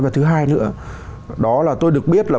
và thứ hai nữa đó là tôi được biết là